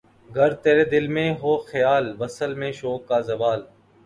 گر تیرے دل میں ہو خیال‘ وصل میں شوق کا زوال؟